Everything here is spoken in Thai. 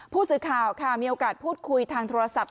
ผู้สื่อข่าวค่ะมีโอกาสพูดคุยทางโทรศัพท์